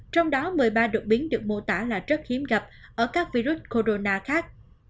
trong đó một mươi ba đột biến được mô tả là rất hiếm gặp ở các virus corona khác